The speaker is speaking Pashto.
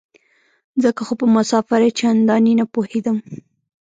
ځکه خو په مسافرۍ چندانې نه پوهېدم.